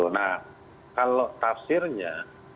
nah kalau tafsirnya